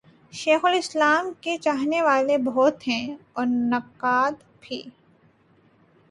شیخ الاسلام کے چاہنے والے بہت ہیں اور نقاد بھی۔